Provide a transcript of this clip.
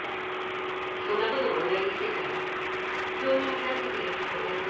そんな事問題にしてたら証人になってくれる人はいなくなってしまう。